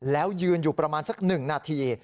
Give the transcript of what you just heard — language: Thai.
แล้วยืนอยู่ประมาณสัก๑นาที